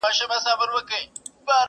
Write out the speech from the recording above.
په جرګو کي به ګرېوان ورته څیرمه،